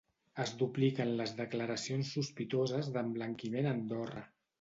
Es dupliquen les declaracions sospitoses demblanquiment a Andorra.